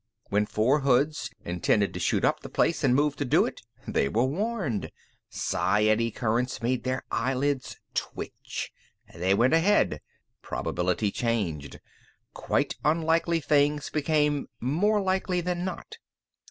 When four hoods intended to shoot up the place and moved to do it, they were warned. Psi 'eddy currents' made their eyelids twitch. They went ahead. Probability changed. Quite unlikely things became more likely than not.